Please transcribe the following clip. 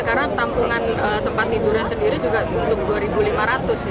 karena tampungan tempat tiduran sendiri juga untuk dua lima ratus